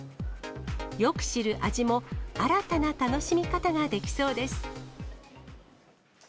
よく知る味も、新たな楽しみ方ができそうです。